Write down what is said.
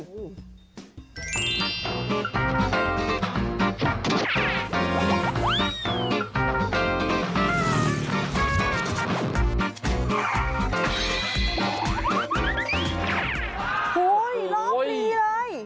โอ้โฮยรอบมีเลย